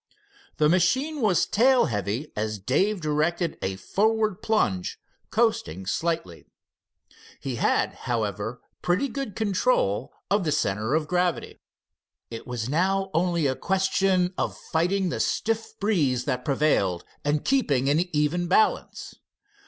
The machine was tail heavy as Dave directed a forward plunge, coasting slightly. He had, however, pretty good control of the center of gravity. It was now only a question of fighting the stiff breeze that prevailed, and keeping an even balance.